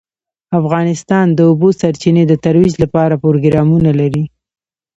افغانستان د د اوبو سرچینې د ترویج لپاره پروګرامونه لري.